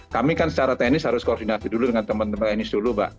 kami kan secara teknis harus koordinasi dulu dengan teman teman teknis dulu mbak